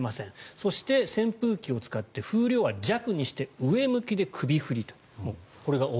そして扇風機を使って風量は弱にして上向きで首振りと。